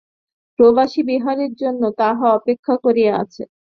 প্রবাসী বিহারীর জন্য তাহা অপেক্ষা করিয়া আছে।